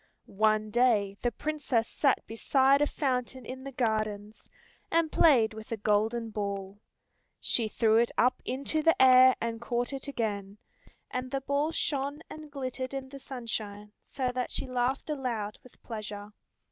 One day the Princess sat beside a fountain in the gardens, and played with a golden ball. She threw it up into the air and caught it again, and the ball shone and glittered in the sunshine so that she laughed aloud with pleasure.